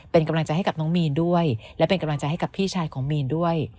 เป็นกำลังใจให้กับน้องมีนด้วยและเป็นกำลังใจให้กับพี่ชายของมีนด้วย